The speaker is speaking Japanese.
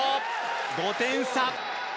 ５点差。